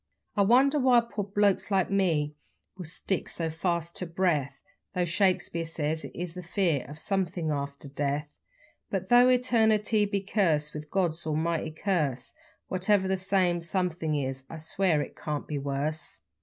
I wonder why poor blokes like me will stick so fast ter breath, Though Shakespeare says it is the fear of somethin' after death; But though Eternity be cursed with God's almighty curse What ever that same somethin' is I swear it can't be worse.